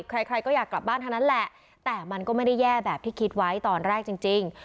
ใครใครก็อยากกลับบ้านเท่านั้นแหละแต่มันก็ไม่ได้แย่แบบที่คิดไว้ตอนแรกจริง